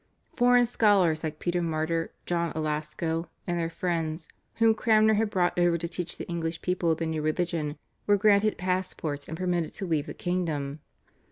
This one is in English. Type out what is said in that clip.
Foreign scholars like Peter Martyr, John à Lasco and their friends, whom Cranmer had brought over to teach the English people the new religion, were granted passports and permitted to leave the kingdom.